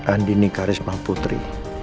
andi nikah resmah putri